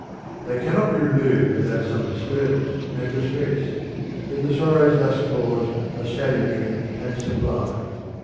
They cannot be removed without some disturbance and distress; yet the sorrows thus caused are salutary and sublime.